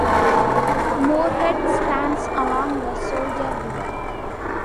Moorhead stands along the Soldier River.